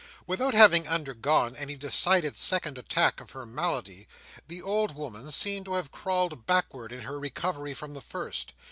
Without having undergone any decided second attack of her malady, the old woman seemed to have crawled backward in her recovery from the first.